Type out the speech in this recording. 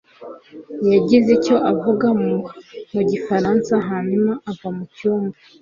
yagize icyo avuga mu gifaransa hanyuma ava mucyumba.